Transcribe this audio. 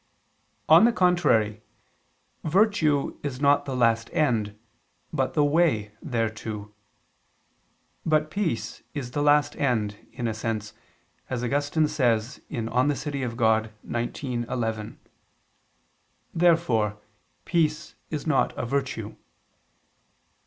On the contrary, Virtue is not the last end, but the way thereto. But peace is the last end, in a sense, as Augustine says (De Civ. Dei xix, 11). Therefore peace is not a virtue.